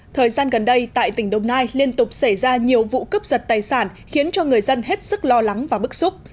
thời gian gần đây tại tỉnh đồng nai liên tục xảy ra nhiều vụ cướp giật tài sản khiến cho người dân hết sức lo lắng và bức xúc